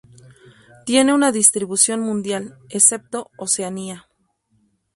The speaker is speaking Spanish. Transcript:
Tiene una distribución mundial, excepto Oceanía.